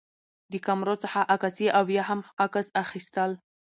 د کامرو څخه عکاسي او یا هم عکس اخیستل